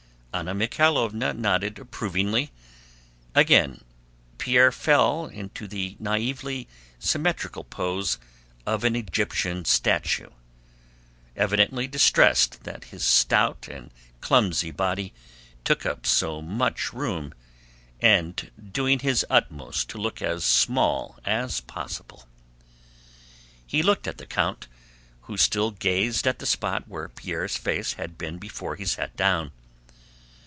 Anna Mikháylovna nodded approvingly. Again Pierre fell into the naïvely symmetrical pose of an Egyptian statue, evidently distressed that his stout and clumsy body took up so much room and doing his utmost to look as small as possible. He looked at the count, who still gazed at the spot where Pierre's face had been before he sat down.